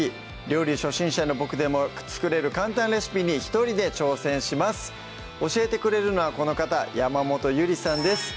料理初心者のボクでも作れる簡単レシピに一人で挑戦します教えてくれるのはこの方山本ゆりさんです